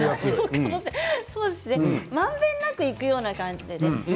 まんべんなくいくような感じでね。